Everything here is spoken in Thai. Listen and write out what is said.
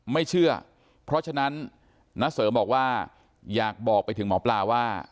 ไม่เชื่อเพราะฉะนั้นณเสริมบอกว่าอยากบอกไปถึงหมอปลาว่า